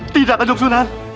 tidak kanjong sunan